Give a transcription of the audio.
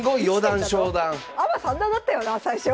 アマ三段だったよな最初！